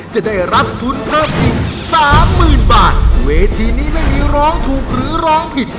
จะได้รับทุนเพิ่มอีกสามหมื่นบาทเวทีนี้ไม่มีร้องถูกหรือร้องผิด